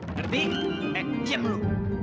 ngerti eh diam dulu